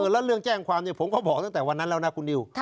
แล้วเรื่องแจ้งความผมก็บอกตั้งแต่วันนั้นแล้วนะคุณนิว